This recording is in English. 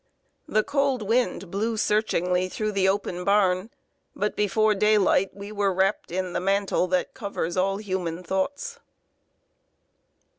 The cold wind blew searchingly through the open barn, but before daylight we were wrapped in "the mantle that covers all human thoughts."